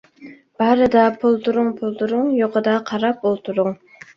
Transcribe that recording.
بارىدا پولدۇرۇڭ - پولدۇرۇڭ، يوقىدا قاراپ ئولتۇرۇڭ.